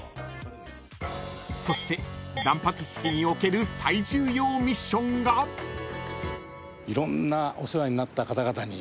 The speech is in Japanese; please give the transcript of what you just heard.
［そして断髪式における最重要ミッションが］そして。